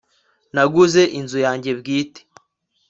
naguze inzu yanjye bwite